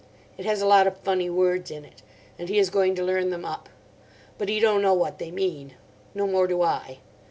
It has a lot of funny words in it. And he is going to learn them up. But he don't know what they mean. No more do I.